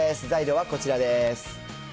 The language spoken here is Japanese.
材料はこちらです。